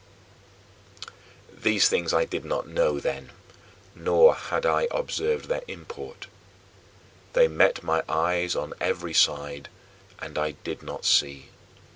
14. These things I did not know then, nor had I observed their import. They met my eyes on every side, and I did not see.